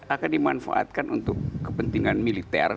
akan dimanfaatkan untuk kepentingan militer